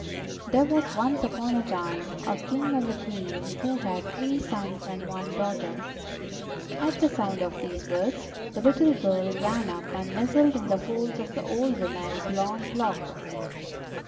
There was once upon a time a King and a Queen who had three sons and one daughter." At the sound of these words the little girl ran up and nestled in the folds of the old woman's long cloak.